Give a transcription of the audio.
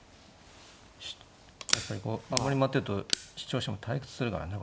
やっぱりこうあんまり待ってると視聴者も退屈するからね